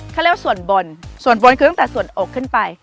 เขาเรียกว่าส่วนบนส่วนบนคือตั้งแต่ส่วนอกขึ้นไป